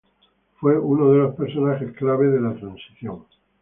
Fue uno de los personajes "clave" de la transición.